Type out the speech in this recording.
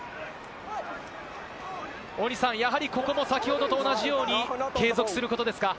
大西さん、ここも先ほどと同じように継続することですか？